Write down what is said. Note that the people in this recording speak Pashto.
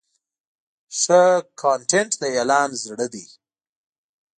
ښه کانټینټ د اعلان زړه دی.